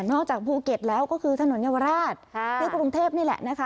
จากภูเก็ตแล้วก็คือถนนเยาวราชที่กรุงเทพนี่แหละนะคะ